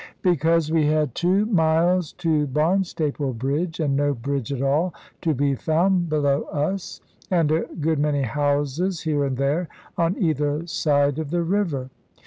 Because we had two miles to Barnstaple Bridge, and no bridge at all to be found below us, and a good many houses here and there, on either side of the river.